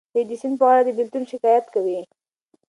دی د سیند په غاړه د بېلتون شکایت کوي.